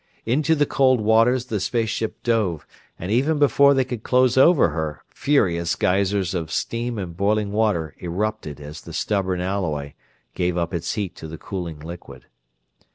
Into the cold waters the space ship dove, and even before they could close over her, furious geysers of steam and boiling water erupted as the stubborn alloy gave up its heat to the cooling liquid.